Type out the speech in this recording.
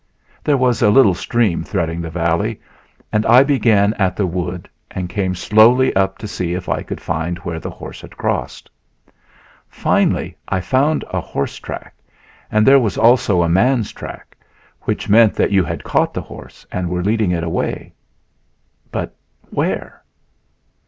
There was a little stream threading the valley, and I began at the wood and came slowly up to see if I could find where the horse had crossed. Finally I found a horse track and there was also a man's track, which meant that you had caught the horse and were leading it away. But where?